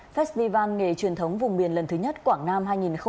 festival nghề truyền thống vùng biển lần thứ nhất quảng nam hai nghìn hai mươi hai